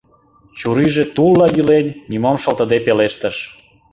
Чурийже тулла йӱлен, нимом шылтыде пелештыш: